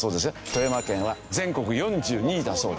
富山県は全国４２位だそうですね。